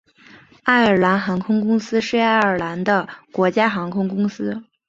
爱尔兰航空公司是爱尔兰的国家航空公司。